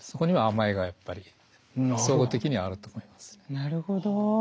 なるほど。